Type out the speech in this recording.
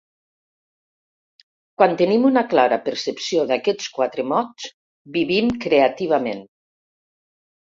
Quan tenim una clara percepció d'aquests quatre mots vivim creativament.